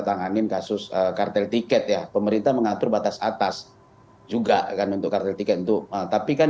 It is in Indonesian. tanganin kasus kartel tiket ya pemerintah mengatur batas atas juga kan untuk kartel tiket itu tapi kan